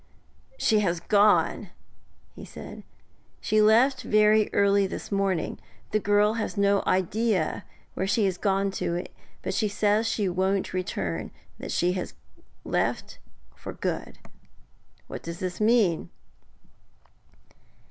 'She has gone!' he said. 'She left very early this morning. The girl has no idea where she has gone to, but says she won't return that she has left for good. What does this mean?'